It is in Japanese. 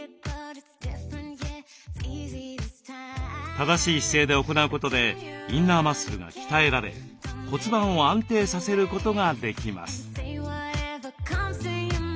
正しい姿勢で行うことでインナーマッスルが鍛えられ骨盤を安定させることができます。